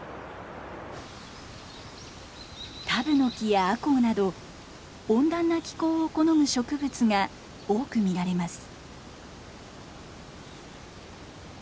タブノキやアコウなど温暖な気候を好む植物が多く見られます。